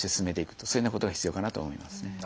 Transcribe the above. そういうようなことが必要かなと思いますね。